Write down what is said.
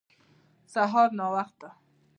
سهار ناوخته